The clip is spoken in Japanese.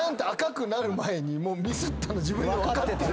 ミスったの自分で分かってる。